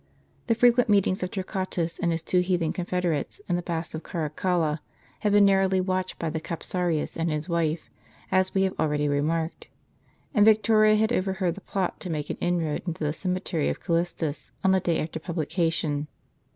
The frequent meetings of Torquatus with his two heathen confederates in the baths of Caracalla had been narrowly watched by the capsarius and his wife, as we have already remarked; and Victoria had overheard the plot to make an inroad into the cemetery of Callistus on the day after publication.